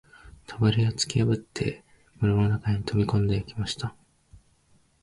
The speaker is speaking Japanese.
扉をつきやぶって室の中に飛び込んできました